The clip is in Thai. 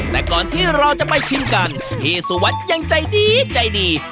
แต่ก่อนที่เราจะไปชิมกันพี่สุวัสดิ์ยังใจดีใจดี